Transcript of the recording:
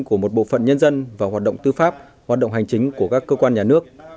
của một bộ phận nhân dân và hoạt động tư pháp hoạt động hành chính của các cơ quan nhà nước